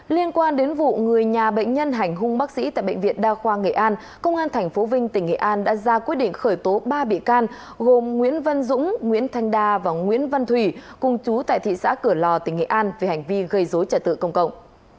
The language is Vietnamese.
liên quan đến vụ người nhà bệnh nhân hành hung bác sĩ tại bệnh viện đa khoa nghệ an công an tp vinh tỉnh nghệ an đã ra quyết định khởi tố ba bị can gồm nguyễn văn dũng nguyễn thanh đa và nguyễn văn thủy cùng chú tại thị xã cửa lò tỉnh nghệ an về hành vi gây dối trả tự công cộng